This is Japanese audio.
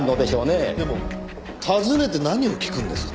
でも訪ねて何を聞くんですかね？